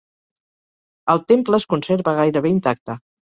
El temple es conserva gairebé intacte.